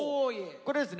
これはですね